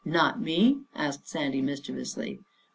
" Not me? " asked Sandy mischievously.